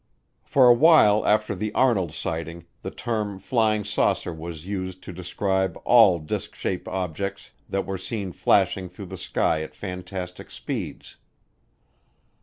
For a while after the Arnold sighting the term "flying saucer" was used to describe all disk shaped objects that were seen flashing through the sky at fantastic speeds.